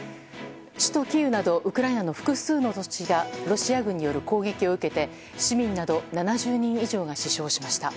首都キーウなどウクライナの複数の都市がロシア軍による攻撃を受けて市民など７０人以上が死傷しました。